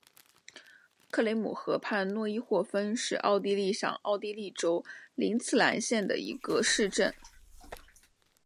克雷姆河畔诺伊霍芬是奥地利上奥地利州林茨兰县的一个市镇。